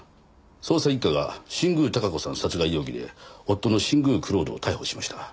捜査一課が新宮孝子さん殺害容疑で夫の新宮蔵人を逮捕しました。